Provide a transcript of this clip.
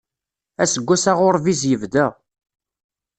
Aseggas aɣurbiz yebda.